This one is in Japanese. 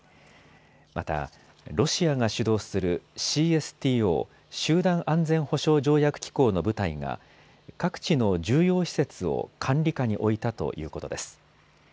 またロシアが主導するＣＳＴＯ・集団安全保障条約機構の部隊が各地の重要施設を管理下に置いたということです。